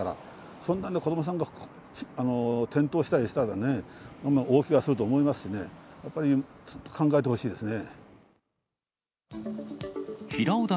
そんなんで子どもさんが転倒したりしたらね、大けがすると思いますしね、やっぱりちょっと考えて平尾台